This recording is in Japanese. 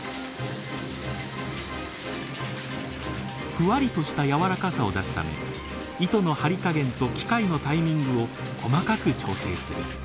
ふわりとした柔らかさを出すため糸の張り加減と機械のタイミングを細かく調整する。